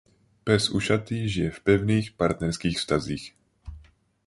Pes ušatý žije v pevných partnerských vztazích.